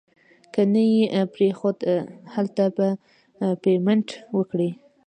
که نه یې پرېښود هلته به پیمنټ وکړي.